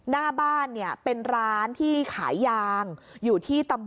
เนี่ยดูสิ